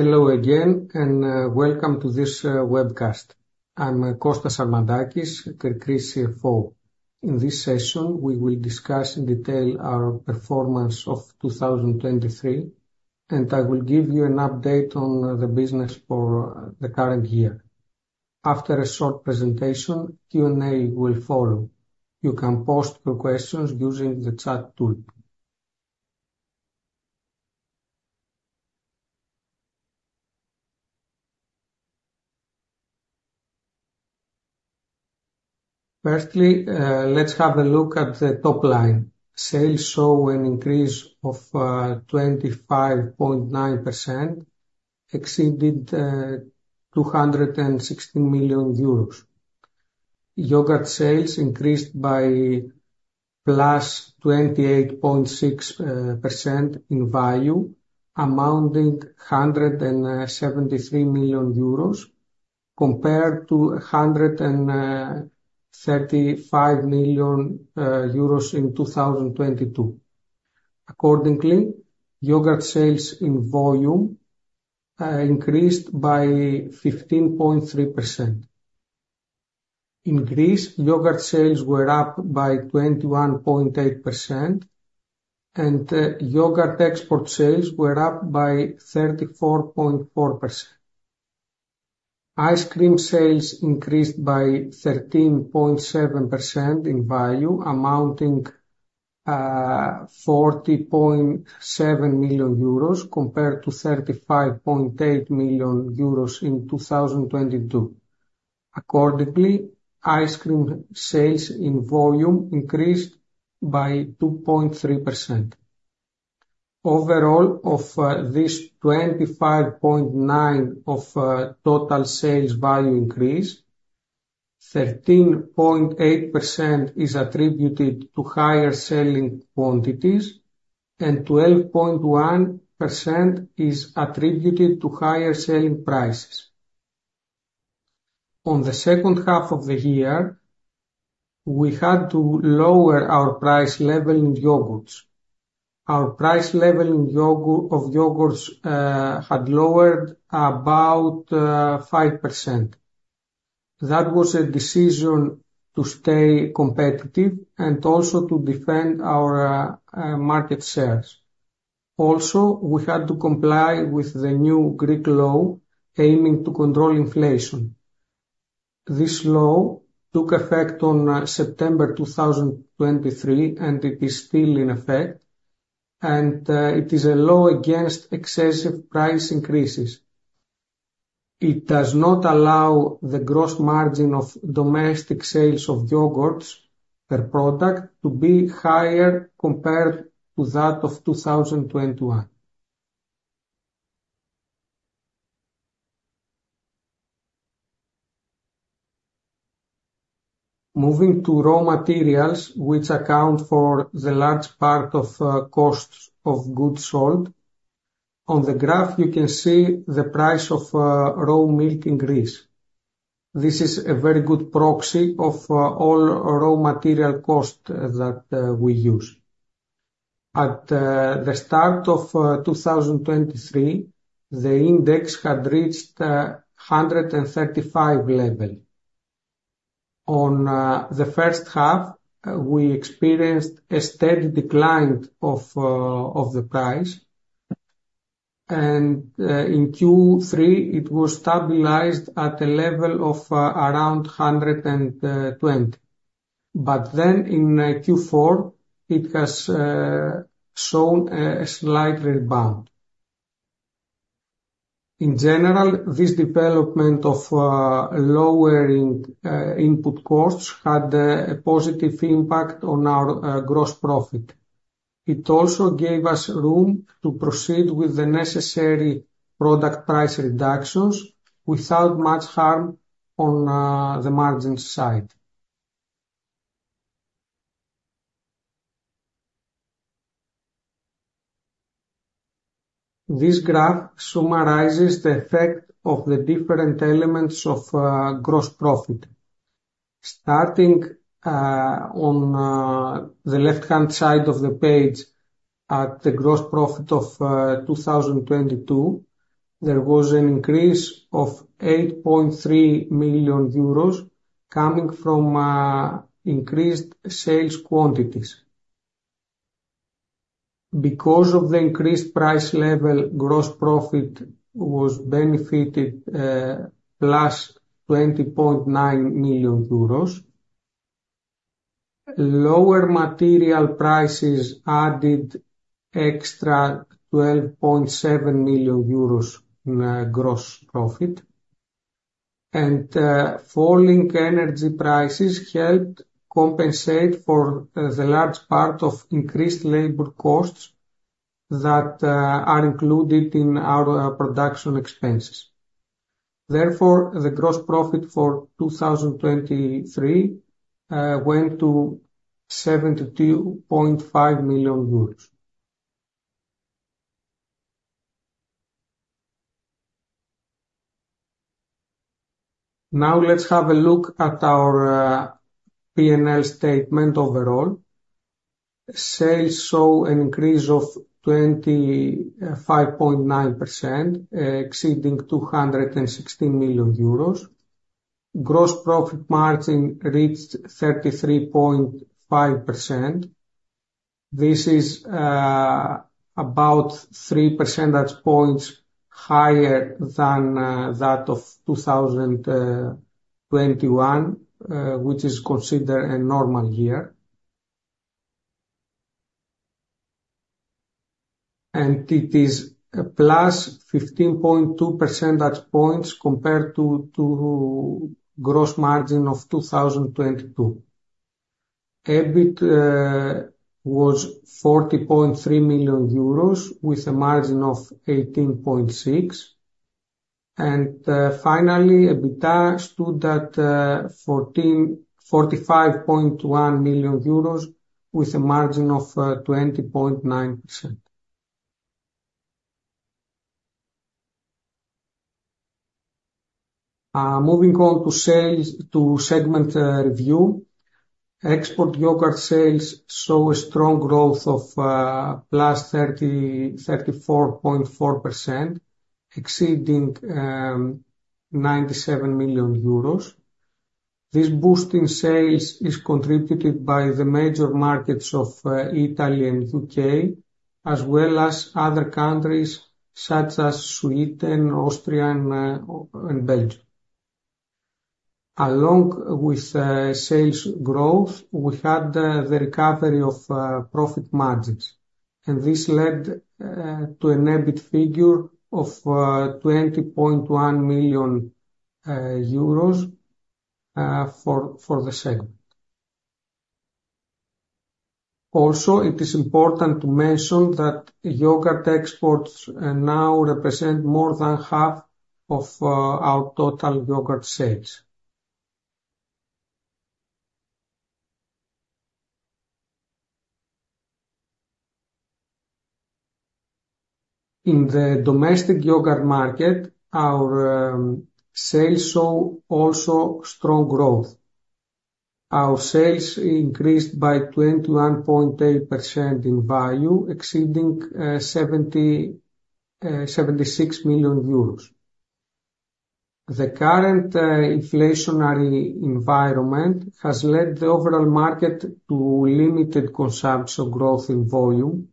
Hello again and welcome to this webcast. I'm Kostas Sarmadakis, KRI-KRI CFO. In this session we will discuss in detail our performance of 2023, and I will give you an update on the business for the current year. After a short presentation, Q&A will follow. You can post your questions using the chat tool. Firstly, let's have a look at the top line. Sales show an increase of 25.9%, exceeded 216 million euros. Yogurt sales increased by +28.6% in value, amounting 173 million euros, compared to 135 million euros in 2022. Accordingly, yogurt sales in volume increased by 15.3%. In Greece, yogurt sales were up by 21.8%, and yogurt export sales were up by 34.4%. Ice cream sales increased by 13.7% in value, amounting 40.7 million euros, compared to 35.8 million euros in 2022. Accordingly, ice cream sales in volume increased by 2.3%. Overall, this 25.9% of total sales value increase, 13.8% is attributed to higher selling quantities, and 12.1% is attributed to higher selling prices. On the second half of the year, we had to lower our price level in yogurts. Our price level in yogurts had lowered about 5%. That was a decision to stay competitive and also to defend our market shares. Also, we had to comply with the new Greek law aiming to control inflation. This law took effect on September 2023, and it is still in effect, and it is a law against excessive price increases. It does not allow the gross margin of domestic sales of yogurts per product to be higher compared to that of 2021. Moving to raw materials, which account for the large part of cost of goods sold. On the graph, you can see the price of raw milk in Greece. This is a very good proxy of all raw material costs that we use. At the start of 2023, the index had reached 135 level. On the first half, we experienced a steady decline of the price, and in Q3, it was stabilized at a level of around 120. But then in Q4, it has shown a slight rebound. In general, this development of lowering input costs had a positive impact on our gross profit. It also gave us room to proceed with the necessary product price reductions without much harm on the margin side. This graph summarizes the effect of the different elements of gross profit. Starting on the left-hand side of the page at the gross profit of 2022, there was an increase of 8.3 million euros coming from increased sales quantities. Because of the increased price level, gross profit was benefited, plus 20.9 million euros. Lower material prices added extra 12.7 million euros in gross profit. Falling energy prices helped compensate for the large part of increased labor costs that are included in our production expenses. Therefore, the gross profit for 2023 went to EUR 72.5 million. Now, let's have a look at our P&L statement overall. Sales show an increase of 25.9%, exceeding 216 million euros. Gross profit margin reached 33.5%. This is about 3 percentage points higher than that of 2021, which is considered a normal year. It is plus 15.2 percentage points compared to gross margin of 2022. EBIT was EUR 40.3 million with a margin of 18.6%. And finally, EBITDA stood at 44.5 million euros with a margin of 20.9%. Moving on to sales by segment review. Export yogurt sales show a strong growth of +30.4%, exceeding 97 million euros. This boost in sales is contributed by the major markets of Italy and U.K., as well as other countries such as Sweden, Austria, and Belgium. Along with sales growth, we had the recovery of profit margins. This led to an EBIT figure of 20.1 million euros for the segment. Also, it is important to mention that yogurt exports now represent more than half of our total yogurt sales. In the domestic yogurt market, our sales show also strong growth. Our sales increased by 21.8% in value, exceeding EUR 76 million. The current inflationary environment has led the overall market to limited consumption growth in volume,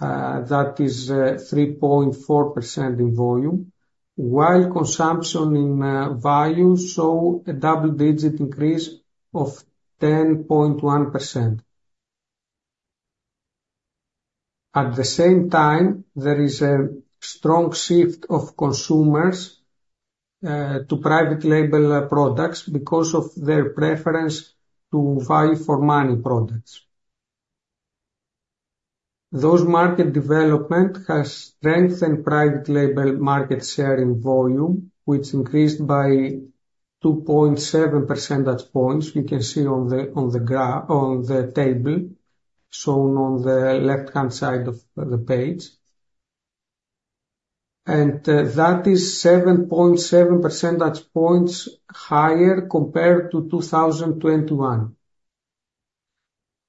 that is 3.4% in volume, while consumption in value showed a double-digit increase of 10.1%. At the same time, there is a strong shift of consumers to private-label products because of their preference to value-for-money products. Those market development has strengthened private-label market share in volume, which increased by 2.7 percentage points. You can see on the graph on the table shown on the left-hand side of the page. That is 7.7 percentage points higher compared to 2021.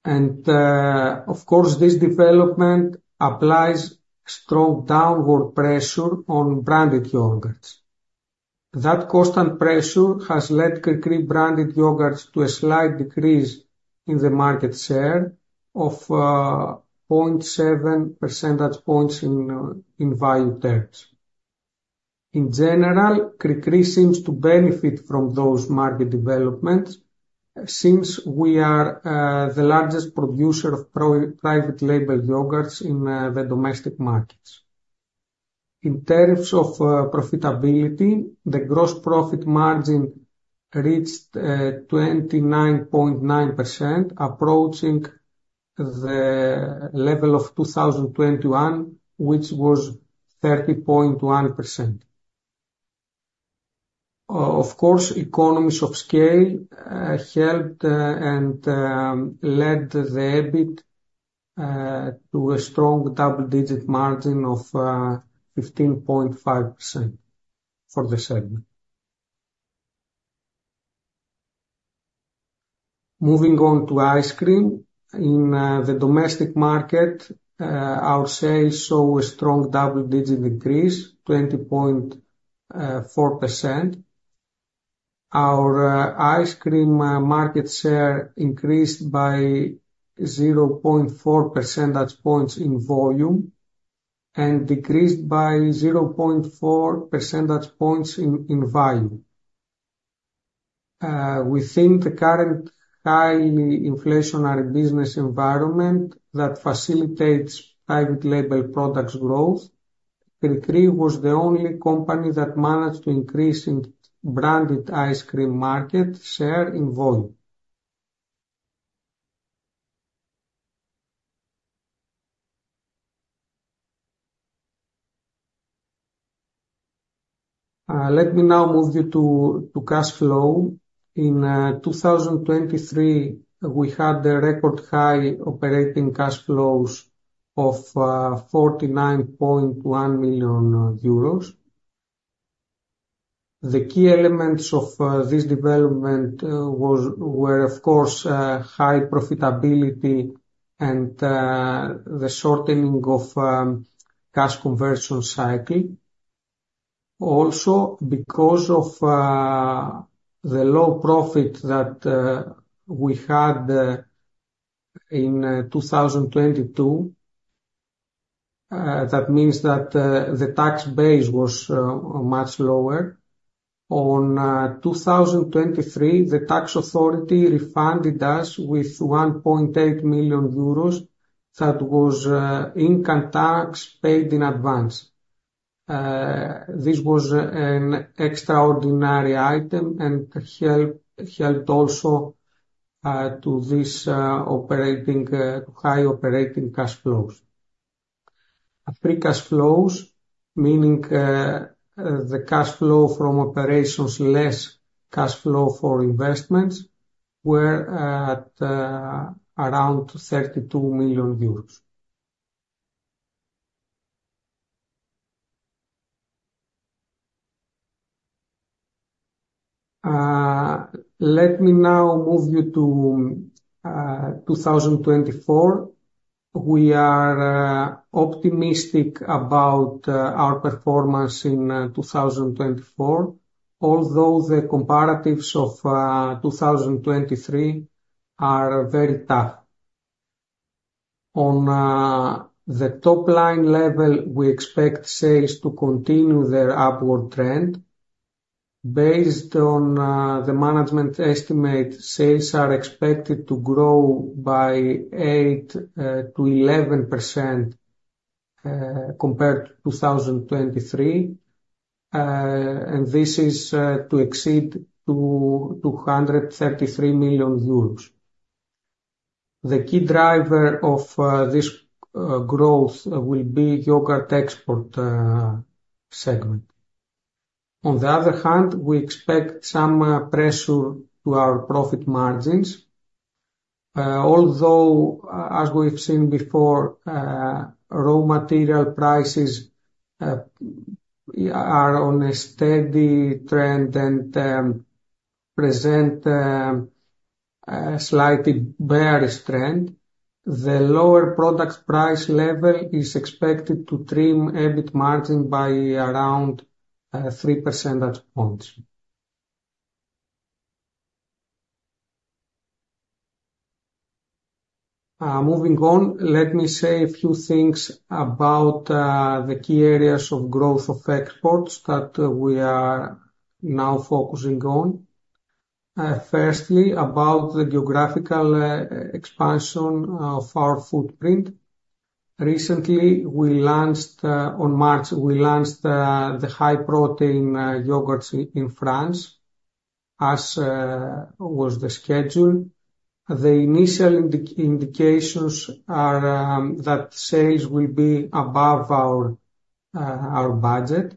Of course, this development applies strong downward pressure on branded yogurts. That constant pressure has led KRI-KRI branded yogurts to a slight decrease in the market share of 0.7 percentage points in value terms. In general, KRI-KRI seems to benefit from those market developments since we are the largest producer of private-label yogurts in the domestic markets. In terms of profitability, the gross profit margin reached 29.9%, approaching the level of 2021, which was 30.1%. Of course, economies of scale helped and led the EBIT to a strong double-digit margin of 15.5% for the segment. Moving on to ice cream. In the domestic market, our sales show a strong double-digit increase, 20.4%. Our ice cream market share increased by 0.4 percentage points in volume and decreased by 0.4 percentage points in value. Within the current highly inflationary business environment that facilitates private-label products growth, KRI-KRI was the only company that managed to increase in branded ice cream market share in volume. Let me now move to cash flow. In 2023, we had the record high operating cash flows of 49.1 million euros. The key elements of this development were, of course, high profitability and the shortening of cash conversion cycle. Also, because of the low profit that we had in 2022, that means that the tax base was much lower. In 2023, the tax authority refunded us with 1.8 million euros that was income tax paid in advance. This was an extraordinary item and helped also to this high operating cash flows. Free cash flows, meaning the cash flow from operations less cash flow for investments, were at around 32 million euros. Let me now move on to 2024. We are optimistic about our performance in 2024, although the comparatives of 2023 are very tough. On the top-line level, we expect sales to continue their upward trend. Based on the management estimate, sales are expected to grow by 8%-11%, compared to 2023. And this is to exceed 233 million euros. The key driver of this growth will be yogurt export segment. On the other hand, we expect some pressure to our profit margins. Although, as we've seen before, raw material prices are on a steady trend and, at present, slightly bearish trend, the lower product price level is expected to trim EBIT margin by around three percentage points. Moving on, let me say a few things about the key areas of growth of exports that we are now focusing on. Firstly, about the geographical expansion of our footprint. Recently, on March, we launched the high-protein yogurts in France, as was the schedule. The initial indications are that sales will be above our budget.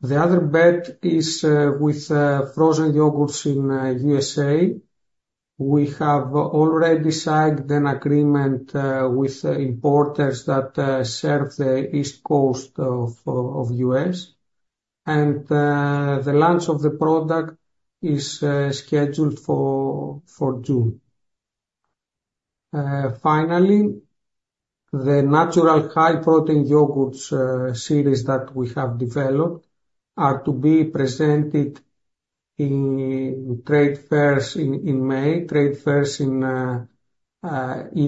The other bet is with frozen yogurts in the U.S. We have already signed an agreement with importers that serve the East Coast of the U.S. The launch of the product is scheduled for June. Finally, the natural high-protein yogurts series that we have developed are to be presented in trade fairs in May, trade fairs in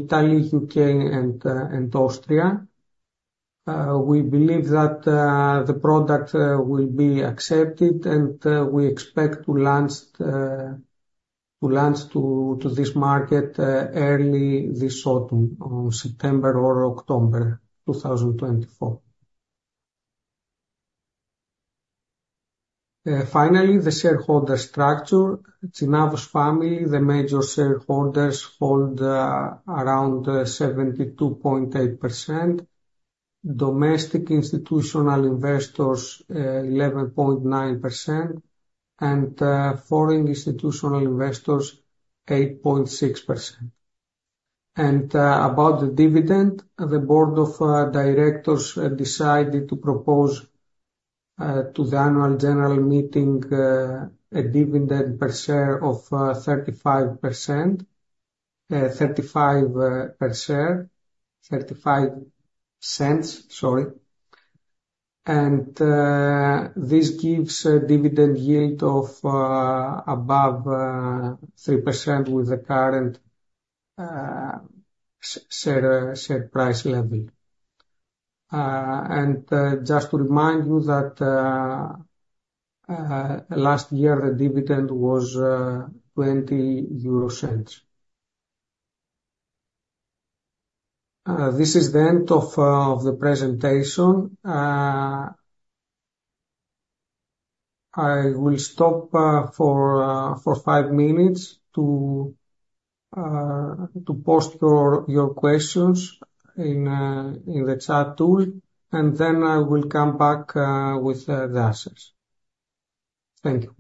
Italy, U.K., and Austria. We believe that the product will be accepted, and we expect to launch to this market early this autumn, on September or October 2024. Finally, the shareholder structure. The Tsinavos family, the major shareholders, hold around 72.8%. Domestic institutional investors, 11.9%. Foreign institutional investors, 8.6%. About the dividend, the board of directors decided to propose to the annual general meeting a dividend per share of 0.35, sorry. This gives a dividend yield of above 3% with the current share price level. Just to remind you that last year the dividend was 0.20 EUR. This is the end of the presentation. I will stop for five minutes to post your questions in the chat tool. And then I will come back with the answers. Thank you.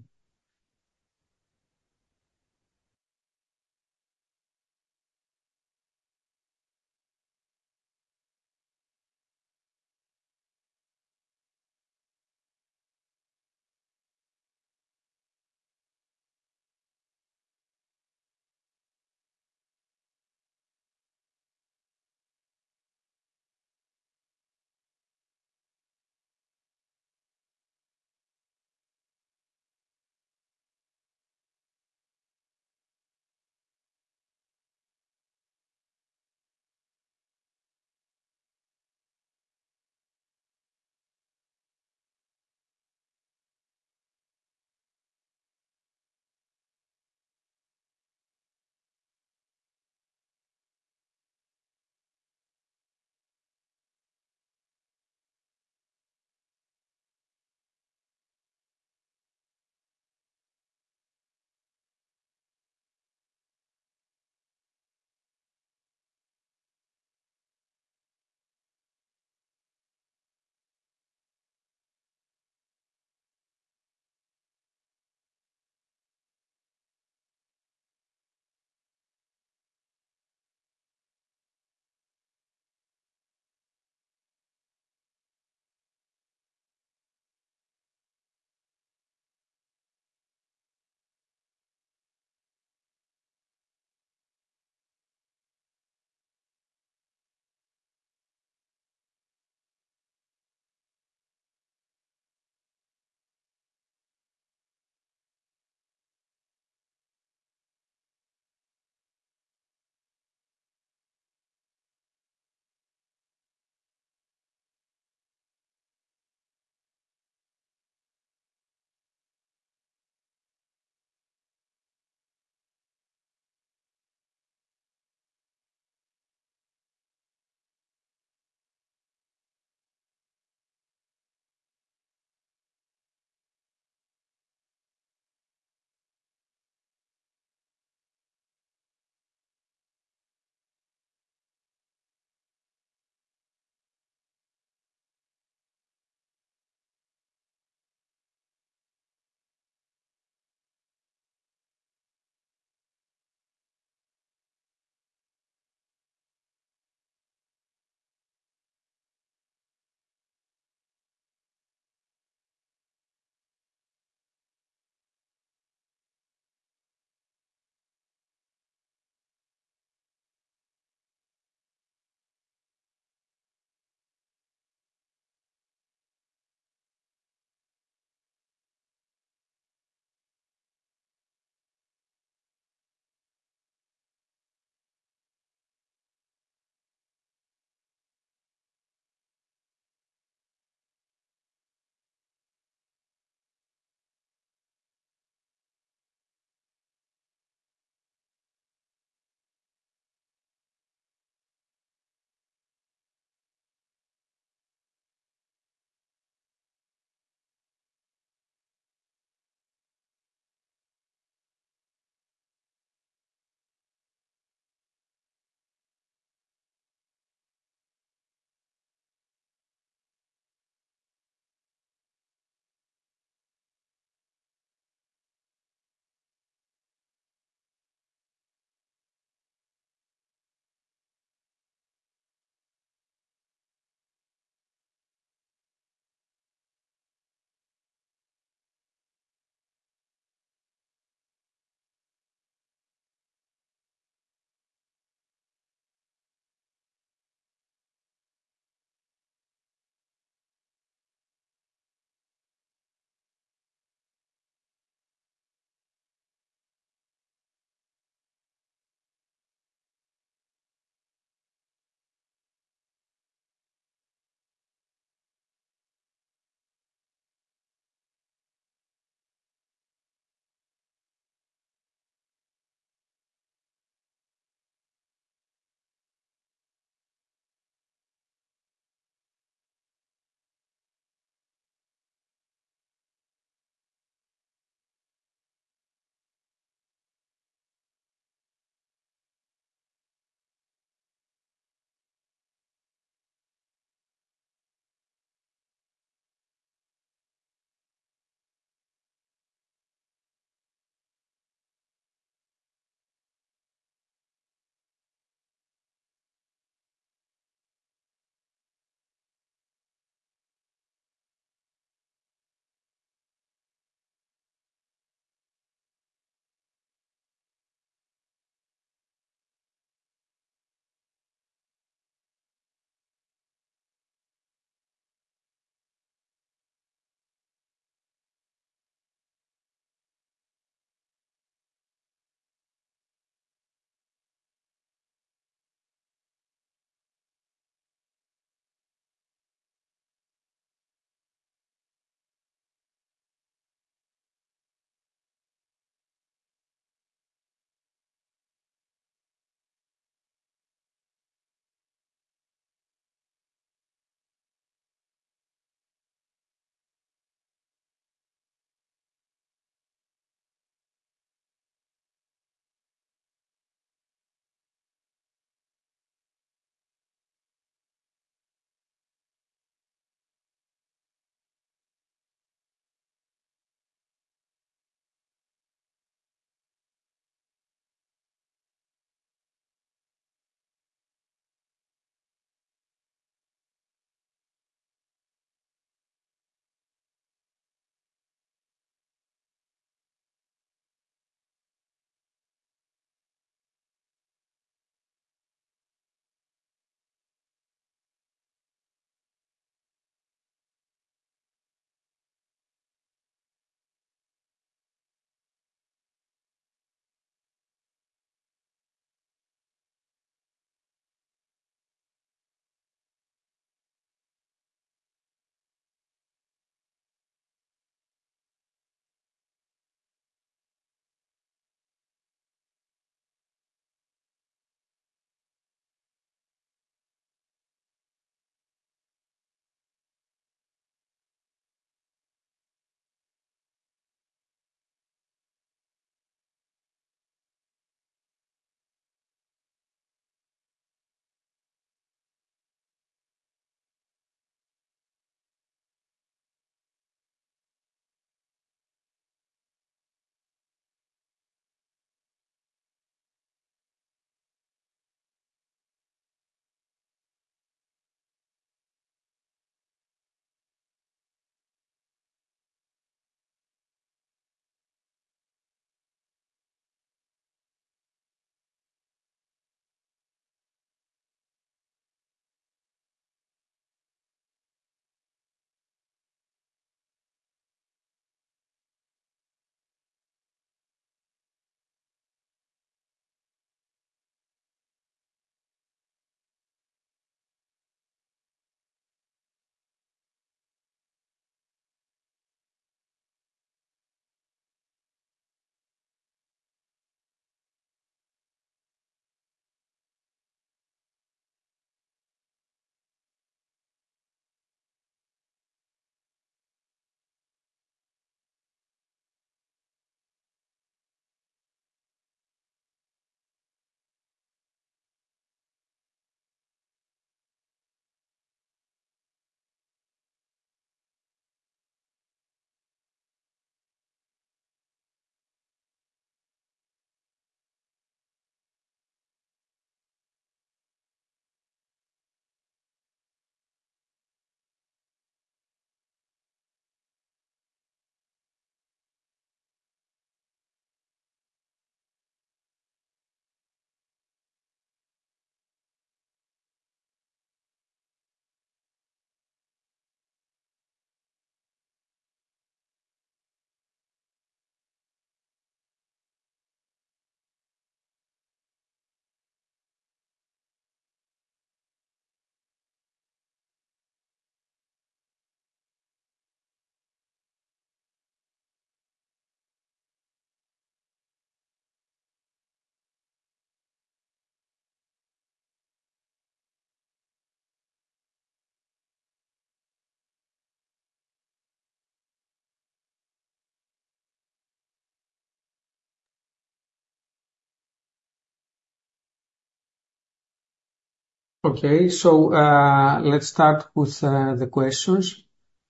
Okay. So let's start with the questions.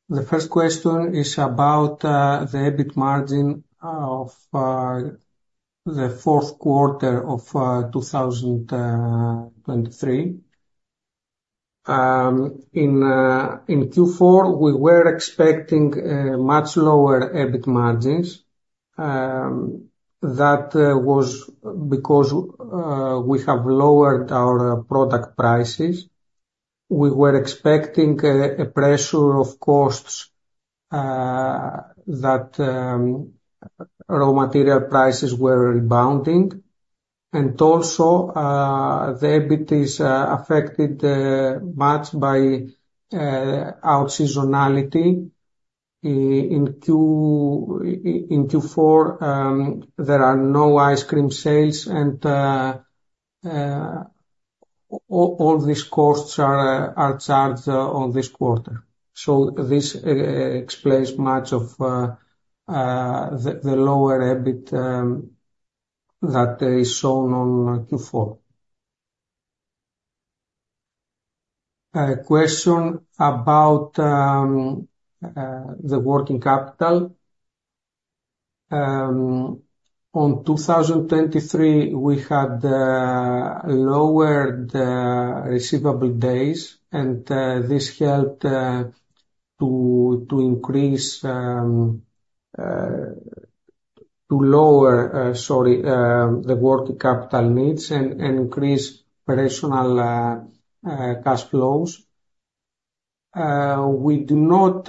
The first question is about the EBIT margin of the fourth quarter of 2023. In Q4, we were expecting much lower EBIT margins. That was because we have lowered our product prices. We were expecting a pressure of costs, that raw material prices were rebounding. And also, the EBIT is affected much by outseasonality. In Q4, there are no ice cream sales, and all these costs are charged on this quarter. So this explains much of the lower EBIT that is shown on Q4. Question about the working capital. In 2023, we had lowered receivable days. And this helped to lower, sorry, the working capital needs and increase operating cash flows. We do not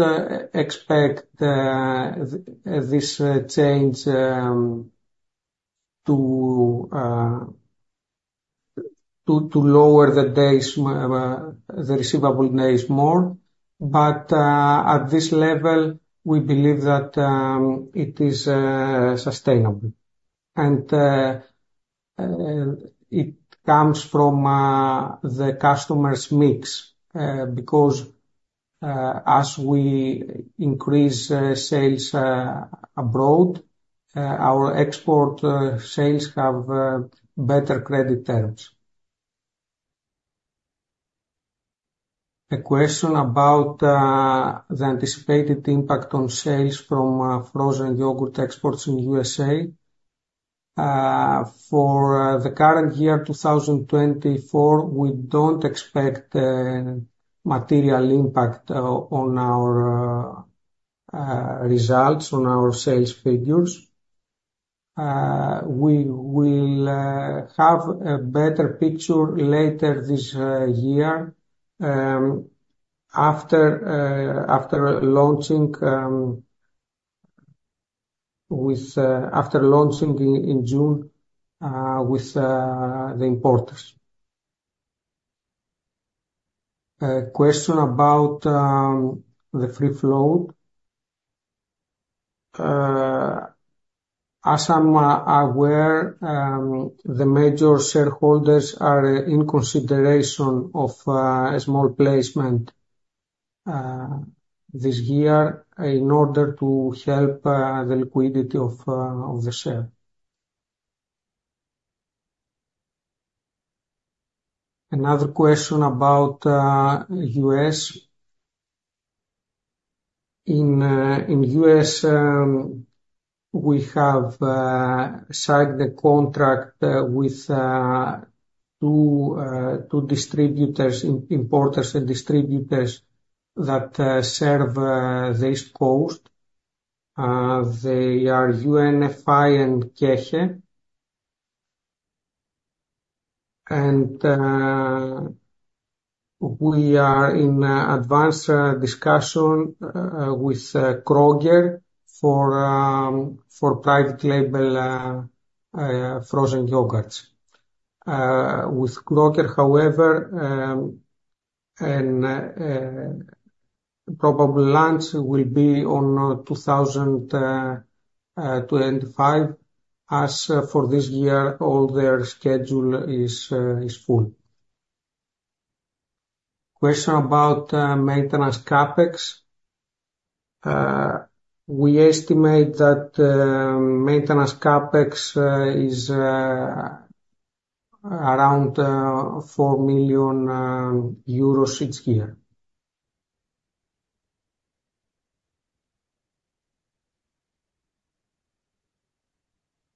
expect this change to lower the receivable days more. But at this level, we believe that it is sustainable. And it comes from the customer mix, because as we increase sales abroad, our export sales have better credit terms. A question about the anticipated impact on sales from frozen yogurt exports in the USA. For the current year, 2024, we don't expect material impact on our results, on our sales figures. We will have a better picture later this year, after launching in June with the importers. Question about the free float. As I'm aware, the major shareholders are in consideration of small placement this year in order to help the liquidity of the share. Another question about US. In US, we have signed the contract with two distributors, importers and distributors that serve the East Coast. They are UNFI and KeHE. We are in advanced discussion with Kroger for private-label frozen yogurts. With Kroger, however, the probable launch will be in 2025 as for this year, all their schedule is full. Question about maintenance CAPEX. We estimate that maintenance CAPEX is around EUR 4 million each year.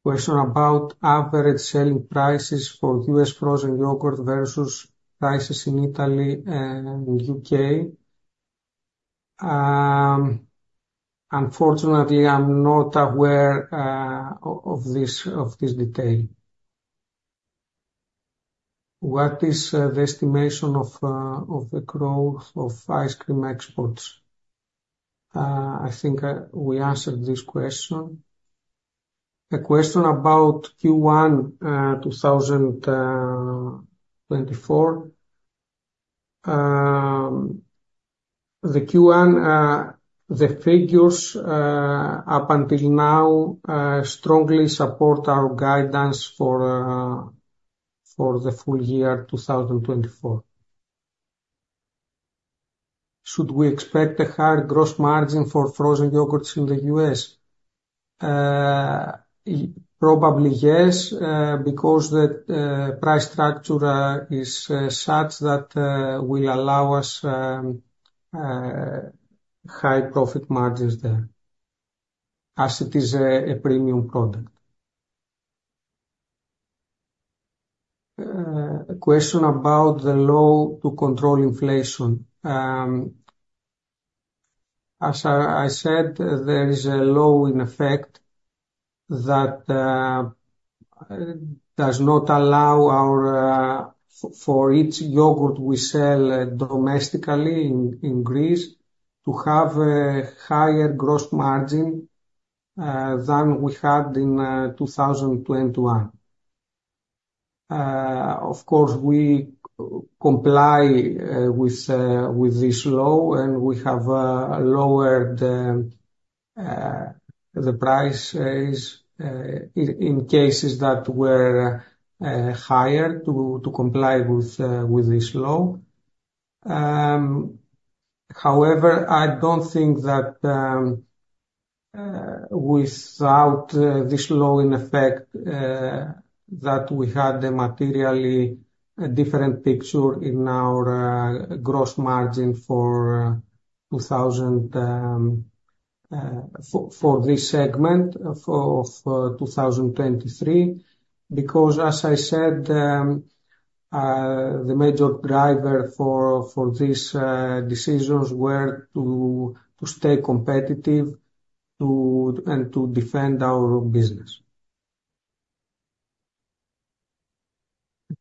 Question about average selling prices for US frozen yogurt versus prices in Italy and U.K.. Unfortunately, I'm not aware of this detail. What is the estimation of the growth of ice cream exports? I think we answered this question. A question about Q1 2024. The Q1 figures up until now strongly support our guidance for the full year 2024. Should we expect a higher gross margin for frozen yogurts in the U.S.? Probably yes, because that price structure is such that will allow us high profit margins there as it is a premium product. Question about the law to control inflation. As I said, there is a law in effect that does not allow us for each yogurt we sell domestically in Greece to have a higher gross margin than we had in 2021. Of course, we comply with this law, and we have lowered the price raise in cases that were higher to comply with this law. However, I don't think that, without this law in effect, that we had a materially different picture in our gross margin for 2023 because, as I said, the major driver for this decisions were to stay competitive and to defend our business.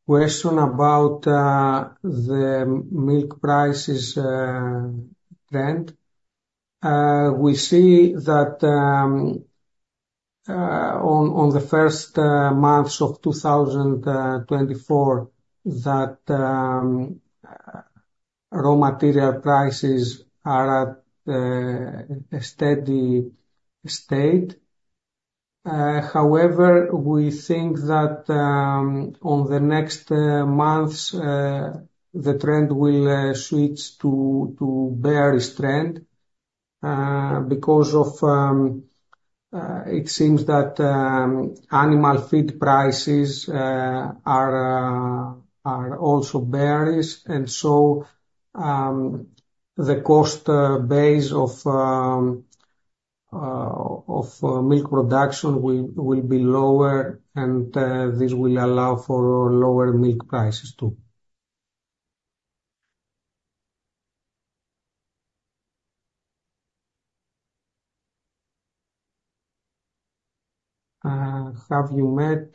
Question about the milk prices trend. We see that, in the first months of 2024, raw material prices are at a steady state. However, we think that, in the next months, the trend will switch to a bearish trend, because it seems that animal feed prices are also bearish. And so, the cost base of milk production will be lower, and this will allow for lower milk prices too. Have you met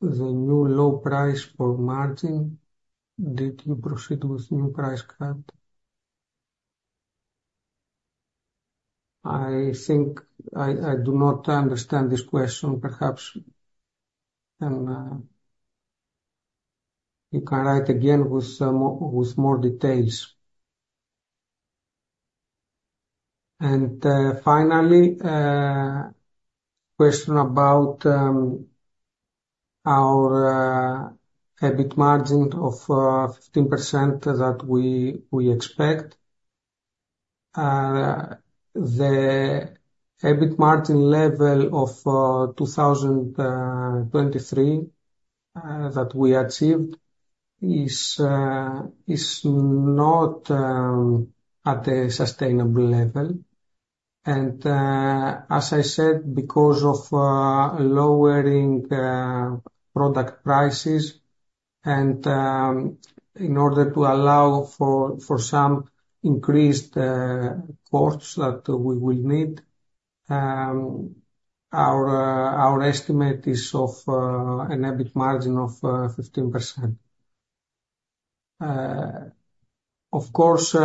the new low price for margin? Did you proceed with new price cut? I think I do not understand this question. Perhaps you can write again with more details. And, finally, question about our EBIT margin of 15% that we expect. The EBIT margin level of 2023 that we achieved is not at a sustainable level. And, as I said, because of lowering product prices and, in order to allow for some increased costs that we will need, our estimate is of an EBIT margin of 15%. Of course,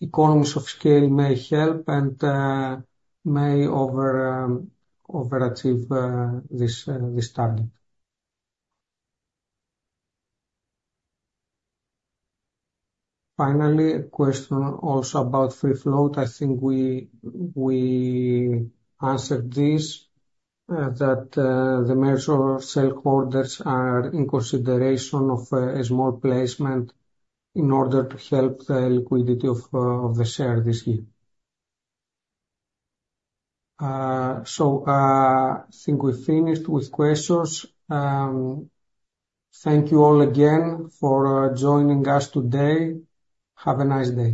economies of scale may help and may overachieve this target. Finally, a question also about free float. I think we answered this, that the major shareholders are in consideration of a small placement in order to help the liquidity of the share this year. So, I think we finished with questions. Thank you all again for joining us today. Have a nice day.